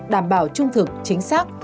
đảm bảo trung thực chính xác